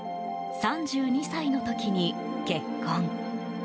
３２歳の時に結婚。